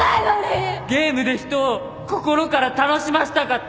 ゲームで人を心から楽しませたかった